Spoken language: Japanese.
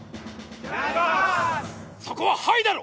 「そこは『はい』だろ！